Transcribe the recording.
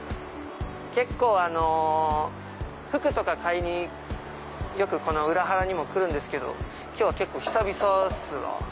結構服とか買いによくこの裏原にも来るんですけど今日は結構久々っすわ。